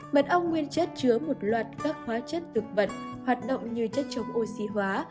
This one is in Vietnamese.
mật ong nguyên chất chứa một loạt các hóa chất thực vật hoạt động như chất chống oxy hóa